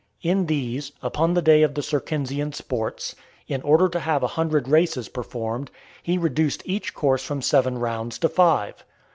In these, upon the day of the Circensian sports, in order to have a hundred races performed, he reduced each course from seven rounds to five.